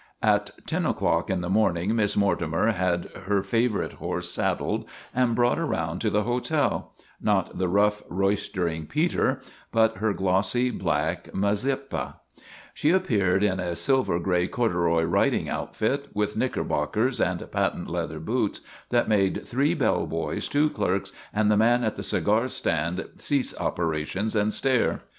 At ten o'clock in the morning Miss Mortimer had her favorite horse saddled and brought around 278 TOM SAWYER OF THE MOVIES to the hotel not the rough, roistering Peter, but her glossy, black Mazeppa. She appeared in a sil ver gray corduroy riding habit, with knickerbockers and patent leather boots, that made three bell boys, two clerks, and the man at the cigar stand cease op erations and stare.